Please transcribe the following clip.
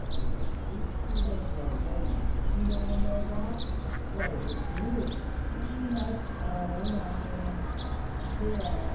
"Where is she, then your lady?" "You want to know that? What is it to you?" "I must own, I am still...."